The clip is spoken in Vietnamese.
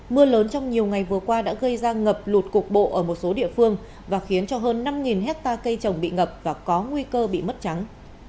mưa lớn trong nhiều ngày vừa qua đã gây ra ngập lụt cục bộ ở một số địa phương và khiến cho hơn năm hectare cây trồng bị ngập và có nguy cơ bị mất trắng